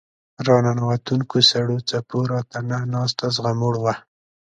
راننوتونکو سړو څپو راته نه ناسته زغموړ وه.